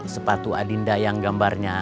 sepatu adinda yang gambarnya